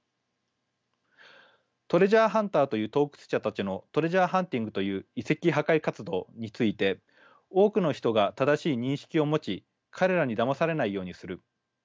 トレジャーハンターという盗掘者たちのトレジャーハンティングという遺跡破壊活動について多くの人が正しい認識を持ち彼らにだまされないようにする。